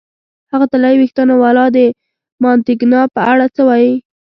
هغه طلايي وېښتانو والا، د مانتیګنا په اړه څه وایې؟